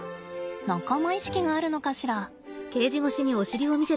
仲間意識があるのかしら。